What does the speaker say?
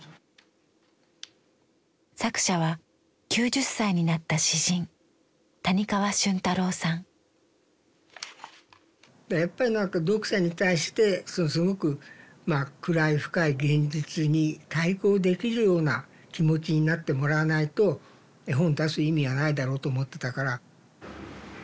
作者は９０歳になっただからやっぱり何か読者に対してすごく暗い深い現実に対抗できるような気持ちになってもらわないと絵本出す意味はないだろうと思ってたから。